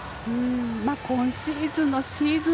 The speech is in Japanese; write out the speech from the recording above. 今シーズンのシーズン